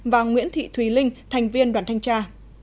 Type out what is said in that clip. và nguyễn thị thùy linh thành viên đoàn thanh tra